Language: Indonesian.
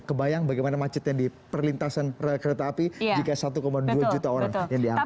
kebayang bagaimana macetnya di perlintasan kereta api jika satu dua juta orang yang diangkut